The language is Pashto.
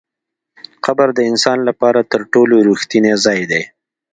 قبر د انسان لپاره تر ټولو رښتینی ځای دی.